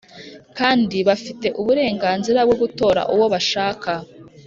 Kandi bafite uburenganzira bwo gutora uwo bashakka